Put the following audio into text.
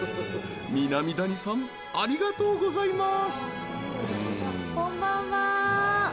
南谷さんありがとうございます！